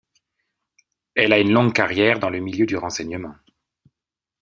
Il a eu une longue carrière dans le milieu du renseignement.